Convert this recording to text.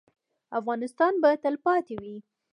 افغانستان به تلپاتې وي